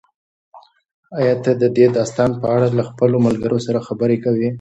ایا ته د دې داستان په اړه له خپلو ملګرو سره خبرې کوې؟